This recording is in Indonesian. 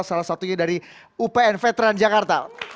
salah satunya dari upn veteran jakarta